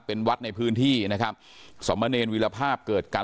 เป็นวัดในพื้นที่นะครับสมเนรวิรภาพเกิดการ